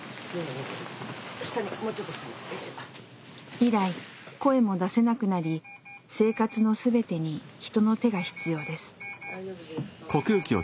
以来声も出せなくなり生活の全てに人の手が必要です。